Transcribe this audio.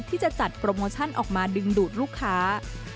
ที่จะจัดโปรโมชั่นออกมาดึงดูดลูกค้า